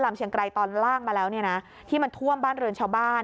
เชียงไกรตอนล่างมาแล้วเนี่ยนะที่มันท่วมบ้านเรือนชาวบ้าน